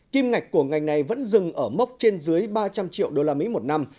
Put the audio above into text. kim ngạch của ngành này vẫn dừng ở mốc trên dưới ba trăm linh triệu đô la mỹ một năm